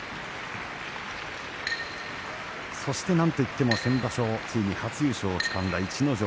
そして、なんといっても先場所ついに初優勝をつかんだ逸ノ城。